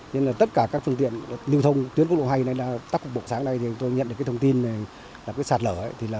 nên là tất cả các phương tiện liêu thông tuyến quốc lộ hai đã tắc cục bộ sáng nay tôi nhận được thông tin là sạt lở